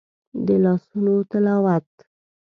د لاسونو تلاوت